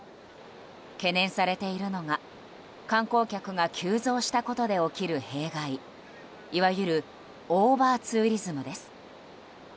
懸念されているのが観光客が急増したことで起きる弊害いわゆるオーバーツーリズムです。